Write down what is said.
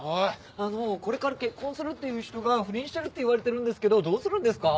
あのこれから結婚するっていう人が不倫してるっていわれてるんですけどどうするんですか？